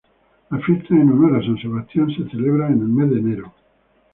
Las fiestas en honor a San Sebastián se celebran en el mes de enero.